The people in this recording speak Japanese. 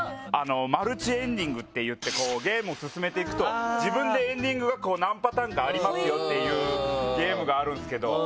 マルチエンディングっていってゲームを進めていくと自分でエンディングが何パターンかありますよっていうゲームがある。